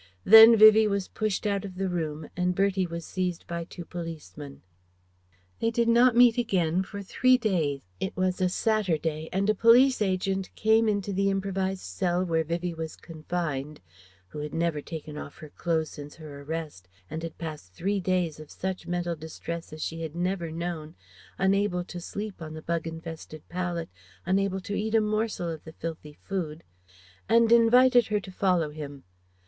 Then Vivie was pushed out of the room and Bertie was seized by two policemen They did not meet again for three days. It was a Saturday, and a police agent came into the improvised cell where Vivie was confined who had never taken off her clothes since her arrest and had passed three days of such mental distress as she had never known, unable to sleep on the bug infested pallet, unable to eat a morsel of the filthy food and invited her to follow him.